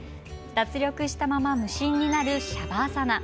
脱力したまま無心になるシャバーサナ。